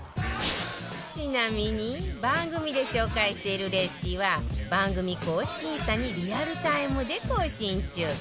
ちなみに番組で紹介しているレシピは番組公式インスタにリアルタイムで更新中